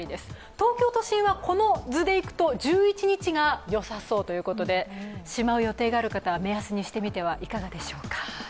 東京都心はこの図でいくと１１日がよさそうということでしまう予定がある方は目安にしてみてはいかがでしょうか。